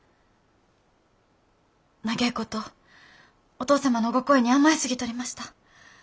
長えことお義父様のご厚意に甘えすぎとりました。